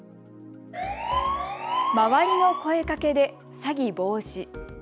周りの声かけで詐欺防止。